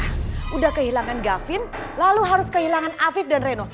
sudah kehilangan gavin lalu harus kehilangan afif dan reno